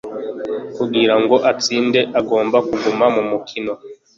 Kugira ngo utsinde ugomba kuguma mu mukino.